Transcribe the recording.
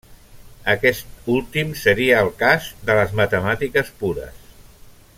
Aquest últim seria el cas de les matemàtiques pures.